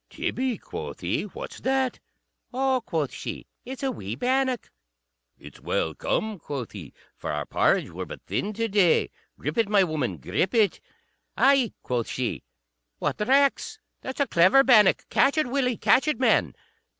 "Tibby," quoth he, "what's that?" "Oh," quoth she, "it's a wee bannock." "It's well come," quoth he, "for our porrage were but thin to day. Grip it, my woman; grip it." "Ay," quoth she; "what recks! That's a clever bannock. Catch it, Willie; catch it, man."